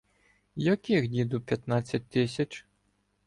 — Яких, діду, п'ятнадцять тисяч?